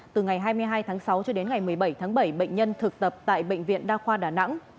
từ ngày hai mươi hai tháng sáu cho đến ngày một mươi bảy tháng bảy bệnh nhân thực tập tại bệnh viện đa khoa đà nẵng